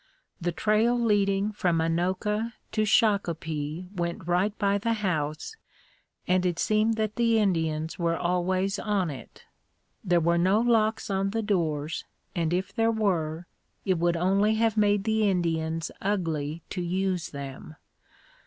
The trail leading from Anoka to Shakopee went right by the house and it seemed that the Indians were always on it. There were no locks on the doors and if there were, it would only have made the Indians ugly to use them.